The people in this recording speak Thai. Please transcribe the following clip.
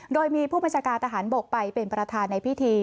โดยมีผู้บรรจกาตหาลบกไปเป็นประธานในปิธี